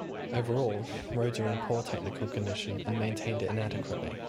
Overall, roads are in poor technical condition and maintained inadequately.